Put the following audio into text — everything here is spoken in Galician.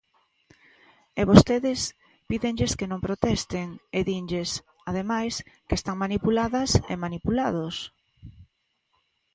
E vostedes pídenlles que non protesten, e dinlles, ademais, que están manipuladas e manipulados.